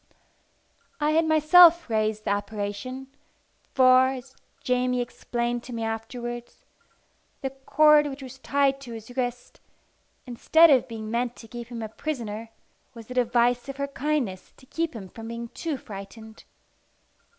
I had myself raised the apparition, for, as Jamie explained to me afterwards, the cord which was tied to his wrist, instead of being meant to keep him a prisoner, was a device of her kindness to keep him from being too frightened.